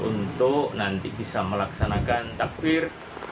untuk nanti bisa melaksanakan takbir